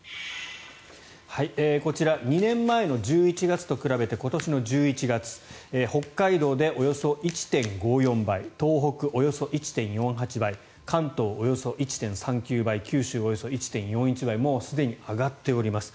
こちら、２年前の１１月と比べて今年の１１月北海道でおよそ１．５４倍東北、およそ１．４８倍関東、およそ１．３９倍九州、およそ１．４１倍もうすでに上がっております。